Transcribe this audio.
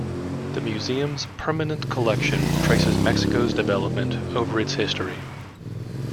The museum's permanent collection traces Mexico's development over its history.